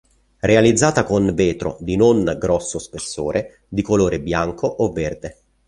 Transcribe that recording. Realizzata con vetro di non grosso spessore, di colore bianco o verde.